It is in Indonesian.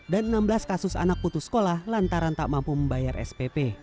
dan enam belas kasus anak putus sekolah lantaran tak mampu membayar spp